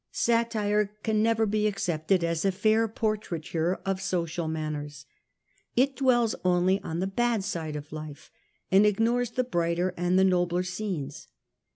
Satire can But (i} never be accepted as a fair portraiture of social manners. It dwells only on the bad deuce. side of life, and ignores the brighter and the nobler scenes.